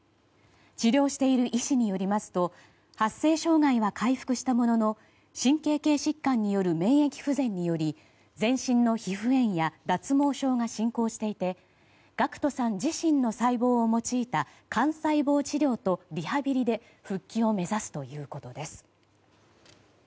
治療している医師によりますと発声障害は回復したものの神経系疾患による免疫不全により全身の皮膚炎や脱毛症が進行していてＧＡＣＫＴさん自身の細胞を用いた幹細胞治療とリハビリで復帰を目指すということです。